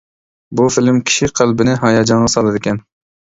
بۇ فىلىم كىشى قەلبىنى ھاياجانغا سالىدىكەن.